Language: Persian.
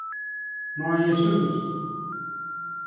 مایه سوز